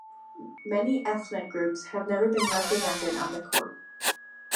Many ethnic groups have never been represented on the Court.